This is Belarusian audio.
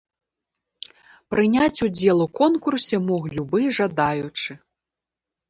Прыняць удзел у конкурсе мог любы жадаючы.